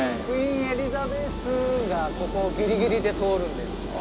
クイーン・エリザベスがここギリギリで通るんです。